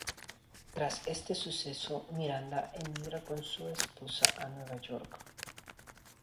Tras este suceso, Miranda emigra con su esposa a Nueva York.